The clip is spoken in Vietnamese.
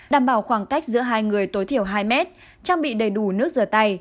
đảm bảo khoảng cách giữa hai người tối thiểu hai mét trang bị đầy đủ nước rửa tay